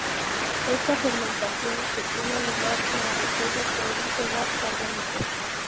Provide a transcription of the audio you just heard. Esta fermentación, que tiene lugar en la botella, produce gas carbónico.